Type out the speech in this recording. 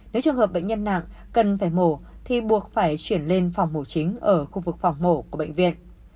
nếu trường hợp bệnh nhân nặng cần phải mổ thì buộc phải chuyển lên phòng mổ chính ở khu vực phòng mổ của bệnh viện